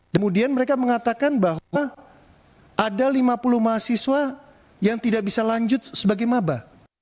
kemudian mereka mengatakan bahwa ada lima puluh mahasiswa yang tidak bisa lanjut sebagai mabah